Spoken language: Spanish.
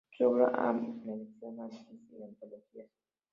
Su obra ha merecido análisis y antologías.